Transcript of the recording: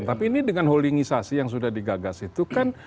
tapi ini dengan holdingisasi yang sudah digagas itu kan